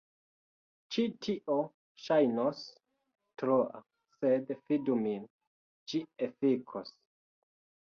Ĉi tio ŝajnos troa sed fidu min, ĝi efikos.